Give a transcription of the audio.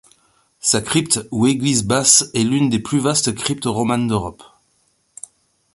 Sa crypte ou église basse est l'une des plus vastes cryptes romanes d'Europe.